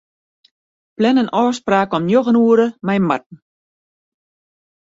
Plan in ôfspraak om njoggen oere mei Marten.